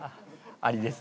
アリです。